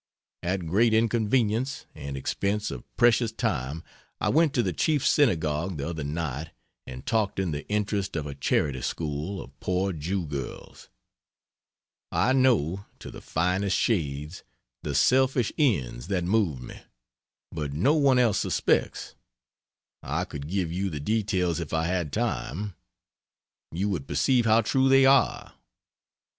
At great inconvenience, and expense of precious time I went to the chief synagogue the other night and talked in the interest of a charity school of poor Jew girls. I know to the finest, shades the selfish ends that moved me; but no one else suspects. I could give you the details if I had time. You would perceive how true they are.